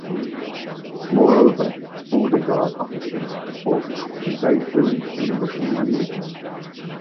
Moreover, Border Guard officers also have to be very fluent in the Russian language.